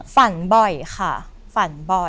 ฝันบ่อยค่ะฝันบ่อย